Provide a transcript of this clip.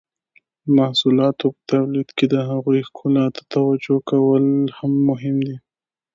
د محصولاتو په تولید کې د هغوی ښکلا ته توجو کول هم مهم دي.